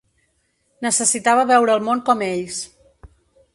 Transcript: Necessitava veure el món com ells.